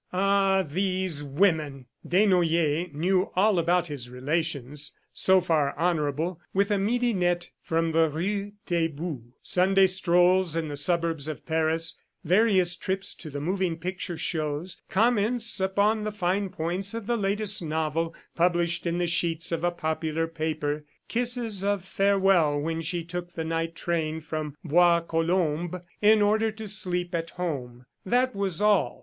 "Ah, these women!" Desnoyers knew all about his relations (so far honorable) with a midinette from the rue Taitbout. Sunday strolls in the suburbs of Paris, various trips to the moving picture shows, comments upon the fine points of the latest novel published in the sheets of a popular paper, kisses of farewell when she took the night train from Bois Colombes in order to sleep at home that was all.